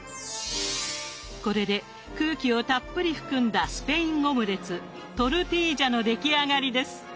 これで空気をたっぷり含んだスペインオムレツトルティージャの出来上がりです。